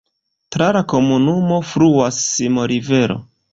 Tra la komunumo fluas Simo-rivero.